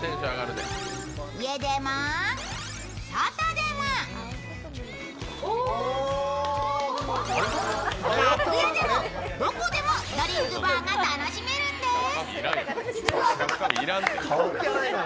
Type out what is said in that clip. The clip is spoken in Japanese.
家でも外でも楽屋でも、どこでもドリンクバーが楽しめるんです。